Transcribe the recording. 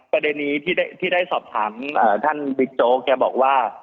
ประเด็นนี้ที่ได้สอบถามท่านบิ๊กโจ๊กแกบอกว่า